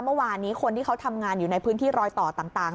เมื่อวานนี้คนที่เขาทำงานอยู่ในพื้นที่รอยต่อต่าง